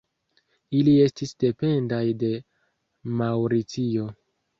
Ili estis dependaj de Maŭricio.